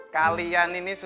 kalian ini sudah